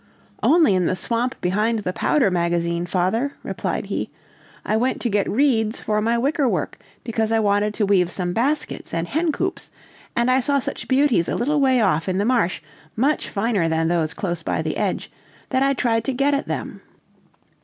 "Only in the swamp behind the powder magazine, father," replied he. "I went to get reeds for my wicker work, because I wanted to weave some baskets and hencoops, and I saw such beauties a little way off in the marsh, much finer than those close by the edge, that I tried to get at them.